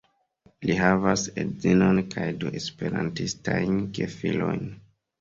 Li havas edzinon kaj du esperantistajn gefilojn.